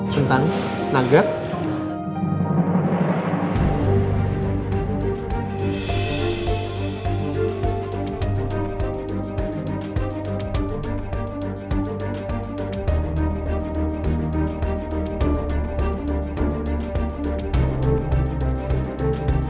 kamu lebih cantik